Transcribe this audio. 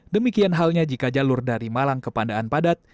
demikian halnya jika jalur dari malang ke pandaan padat